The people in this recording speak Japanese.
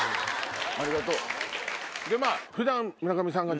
ありがとう。